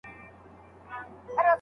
خدای پیدا پر مخ د مځکي انسانان کړل